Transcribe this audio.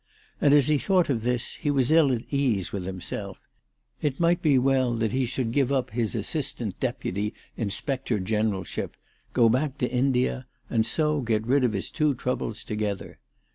And as he thought of this, he was ill at ease with* himself. It might be well ALICE DUGDALE. 365 that lie should give up his Assistant Deputy Inspector Generalship, go back to India, and so get rid of his two troubles together.